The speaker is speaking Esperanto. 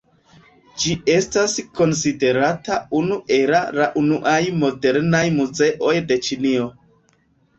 Ĝi estas konsiderata unu ela la unuaj modernaj muzeoj de Ĉinio.